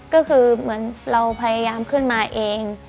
ก็คือเหมือนเราพยายามขึ้นมาเอง